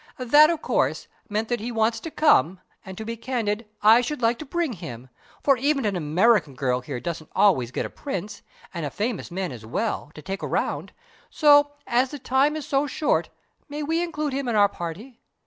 That, of course, meant that he wants to come; and, to be candid, I should like to bring him, for even an American girl here doesn't always get a Prince, and a famous man as well, to take around, so, as the time is so short, may we include him in our party?